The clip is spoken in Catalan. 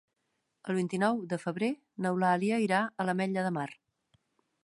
El vint-i-nou de febrer n'Eulàlia irà a l'Ametlla de Mar.